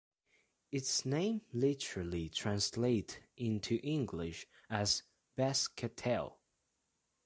Its name literally translates into English as "Basque-Tel".